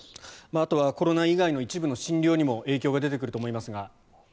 あとはコロナ以外の一部の診療にも影響が出てくると思いますが。